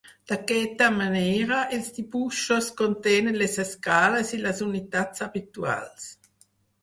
D'aquesta manera, els dibuixos contenen les escales i les unitats habituals.